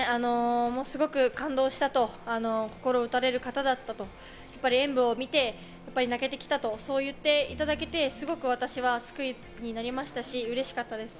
ものすごく感動したと、心を打たれる形だったと、演武を見て泣けてきたと、そう言っていただけて、すごく私は救いになりましたし、うれしかったです。